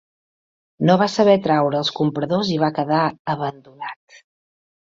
No va saber atraure els compradors i va quedar abandonat.